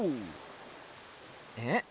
えっ？